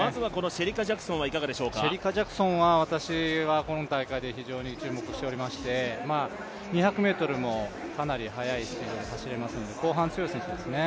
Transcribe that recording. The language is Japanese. シェリカ・ジャクソンは私は今大会で一番注目していまして２００ｍもかなり速く走れますので後半強い選手ですね。